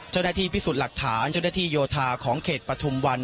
เจ้าหน้าที่พิสูจน์หลักฐานเจ้าหน้าที่โยธาของเขตปฐุมวัน